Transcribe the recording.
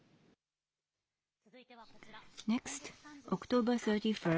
続いてはこちら。